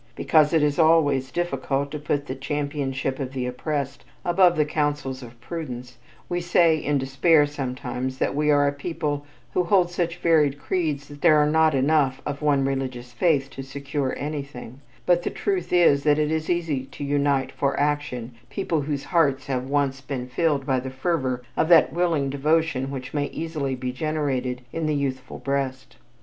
Because it is always difficult to put the championship of the oppressed above the counsels of prudence, we say in despair sometimes that we are a people who hold such varied creeds that there are not enough of one religious faith to secure anything, but the truth is that it is easy to unite for action people whose hearts have once been filled by the fervor of that willing devotion which may easily be generated in the youthful breast.